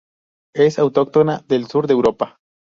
Es autóctona del sur de Europa.